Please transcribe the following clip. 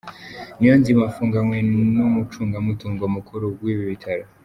Niyonzima afunganywe n’umucungamutungo mukuru w’ibi bitaro.